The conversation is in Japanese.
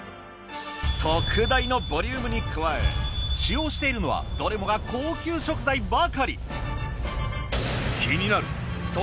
特大のボリュームに加え使用しているのはどれもが高級食材ばかり。